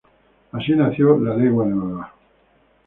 Así nació "La Legua Nueva".